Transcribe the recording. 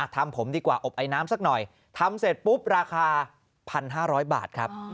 ทำผมดีกว่าอบไอน้ำสักหน่อยทำเสร็จปุ๊บราคา๑๕๐๐บาทครับ